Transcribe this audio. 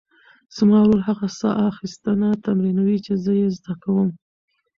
زما ورور هغه ساه اخیستنه تمرینوي چې زه یې زده کوم.